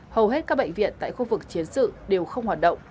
hầu hết các bệnh viện tại khu vực chiến sự đều không hoạt động